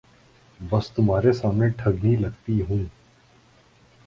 بس تمہارے سامنے ٹھگنی لگتی ہوں۔